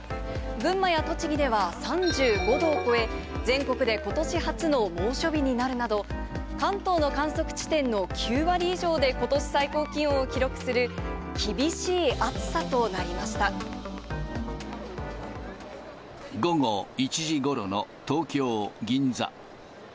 群馬や栃木では３５度を超え、全国でことし初の猛暑日になるなど、関東の観測地点の９割以上で、ことし最高気温を記録する厳しい午後１時ごろの東京・銀座。